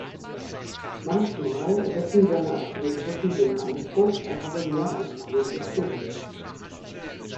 Manchmal erweckten seine Aktivitäten den Eindruck, er habe mehr als Kolumbus gewusst.